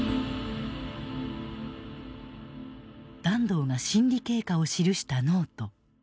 團藤が審理経過を記したノート。